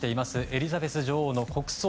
エリザベス女王の国葬。